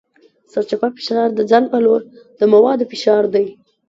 سرچپه فشار د ځان په لور د موادو فشار دی.